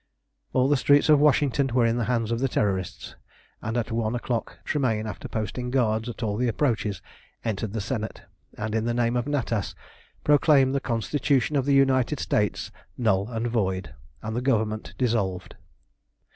All the streets of Washington were in the hands of the Terrorists, and at one o'clock Tremayne, after posting guards at all the approaches, entered the Senate, and in the name of Natas proclaimed the Constitution of the United States null and void, and the Government dissolved.